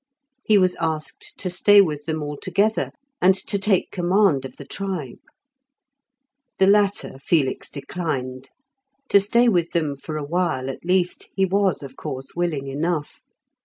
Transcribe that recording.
He was asked to stay with them altogether, and to take command of the tribe. The latter Felix declined; to stay with them for awhile, at least, he was, of course, willing enough.